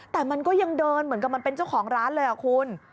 แต่มันก็ยังเดินเหมือนกับมันเป็นเจ้าของร้านเลยอ่ะคุณ